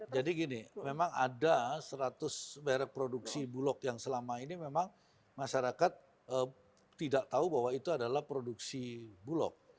jadi gini memang ada seratus merek produksi bulog yang selama ini memang masyarakat tidak tahu bahwa itu adalah produksi bulog